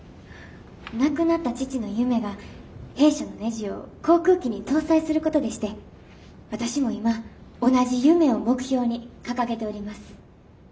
亡くなった父の夢が弊社のねじを航空機に搭載することでして私も今同じ夢を目標に掲げております。